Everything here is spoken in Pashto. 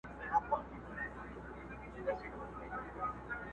بې دلیله نازولی د بادار دی؛